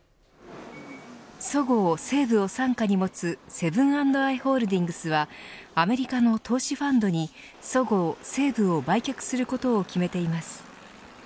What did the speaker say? そごう・西武を傘下に持つセブン＆アイ・ホールディングスはアメリカの投資ファンドにそごう・西武を売却することを決めています。